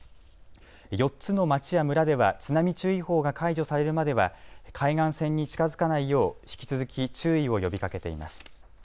４つの町や村では津波注意報が解除されるまでは海岸線に近づかないよう引き続き注意を呼びかけています。